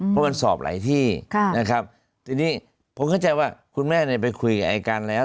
เพราะมันสอบหลายที่นะครับทีนี้ผมเข้าใจว่าคุณแม่เนี่ยไปคุยกับอายการแล้ว